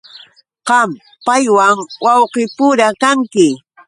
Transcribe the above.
Qam paywan wawqipura kanki.